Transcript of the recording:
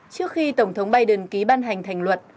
trước khi tổng thống biden ký ban hành thành luật